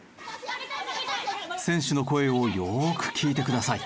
選手の声をよーく聞いてください。